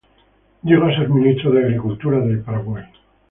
Llegó a ser Ministro de Agricultura, del Paraguay.